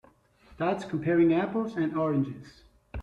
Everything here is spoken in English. That's comparing apples and oranges.